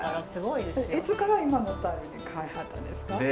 いつから今のスタイルに変えはったんですか？